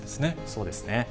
そうですね。